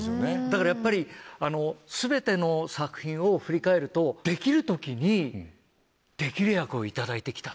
だからやっぱり全ての作品を振り返るとできる時にできる役を頂いてきた。